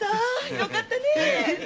よかったね。